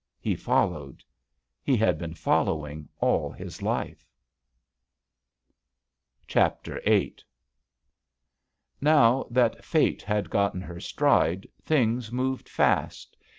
He followed. He had been following all his life. JUST SWEETHEARTS ^ Chapter VIII OW that Fate had gotten her stride, things moved fast.